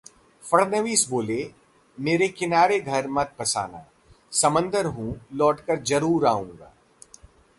फडणवीस बोले- मेरे किनारे घर मत बसाना, समंदर हूं लौटकर जरूर आऊंगा